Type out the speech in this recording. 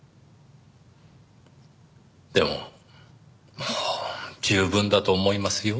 でももう十分だと思いますよ。